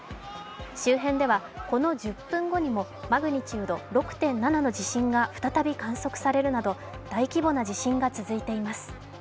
周辺では、この１０分後にもマグニチュード６．７の地震が再び観測されるなど、大規模な地震が続いています。